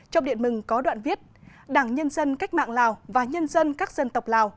trong điện mừng có đoạn viết đảng nhân dân cách mạng lào và nhân dân các dân tộc lào